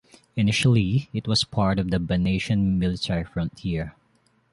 Initially, it was part of the Banatian Military Frontier.